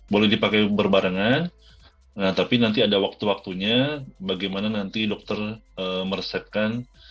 boleh dipakai berbarengan tapi nanti ada waktu waktunya bagaimana nanti dokter meresetkan